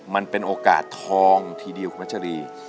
มันเป็นโอกาสทองทีเดียวของนักฉลี